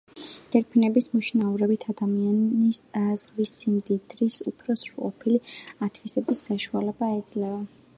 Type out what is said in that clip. დელფინების მოშინაურებით ადამიანს ზღვის სიმდიდრის უფრო სრულყოფილი ათვისების საშუალება ეძლევა.